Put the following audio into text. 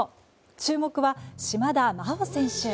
注目は島田麻央選手。